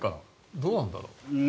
どうなんだろう。